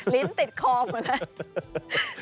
ลิ้นติดคอมมาแล้ว